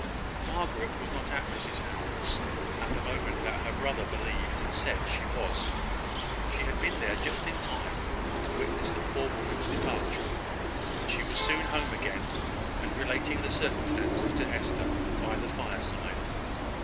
Margaret was not at Mrs Howell's at the moment that her brother believed and said she was. She had been there just in time to witness the poor woman's departure; and she was soon home again and relating the circumstances to Hester, by the fireside.